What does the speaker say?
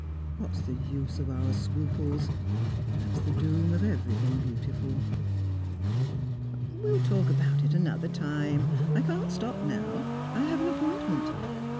What's the use of our scruples? That's the doom of everything beautiful." "We'll talk about it another time. I can't stop now. I have an appointment.